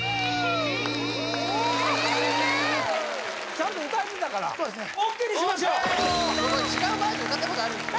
ちゃんと歌えてたからＯＫにしましょう僕は違うバージョン歌ったことあるんですよ